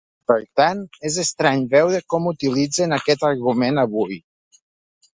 Per tant, és estrany veure com utilitzen aquest argument avui.